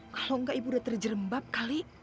kalau enggak ibu udah terjerembab kali